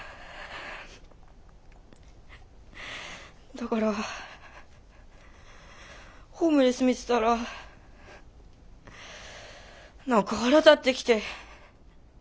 だからホームレス見てたら何か腹立ってきて。